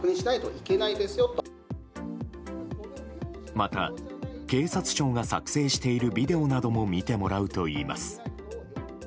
また、警察庁が作成しているビデオなども見てもらうといいます。